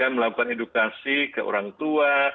melakukan edukasi ke orang tua